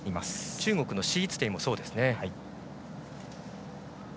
中国の史逸ていもそうですね。